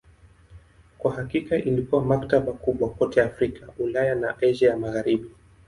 Kwa hakika ilikuwa maktaba kubwa kote Afrika, Ulaya na Asia ya Magharibi.